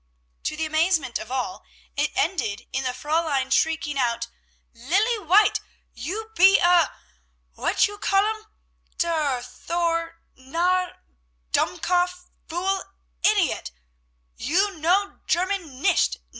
To the amazement of all, it ended in the Fräulein shrieking out, "Lilly White! You be a what you call um der thor, narr, dummkopf, fool, idiotte; you know German, nicht!